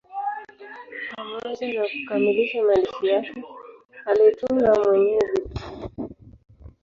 Pamoja na kukamilisha maandishi yake, alitunga mwenyewe vitabu mbalimbali.